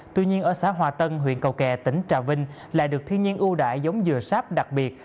tuy nhiên ở xã hòa tân huyện cầu kè tỉnh trà vinh lại được thiên nhiên ưu đại giống dừa sáp đặc biệt